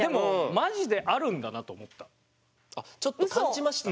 あっちょっと感じました？